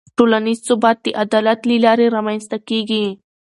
ټولنیز ثبات د عدالت له لارې رامنځته کېږي.